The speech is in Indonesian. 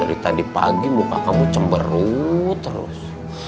dari tadi pagi buka kamu cemberut terus